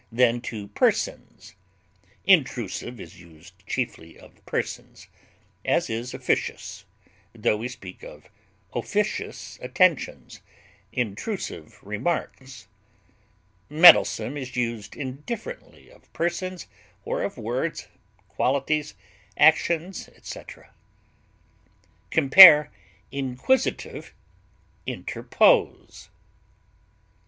than to persons; intrusive is used chiefly of persons, as is officious, tho we speak of officious attentions, intrusive remarks; meddlesome is used indifferently of persons, or of words, qualities, actions, etc. Compare INQUISITIVE; INTERPOSE.